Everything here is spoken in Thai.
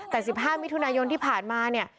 แต่๑๕มิถุนายนที่ผ่านมาเนี่ย